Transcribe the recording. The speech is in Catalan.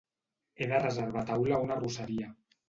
He de reservar taula a una arrosseria.